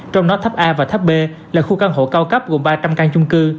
trong đó tháp a và tháp b là khu căn hộ cao cấp gồm ba trăm linh căn chung cư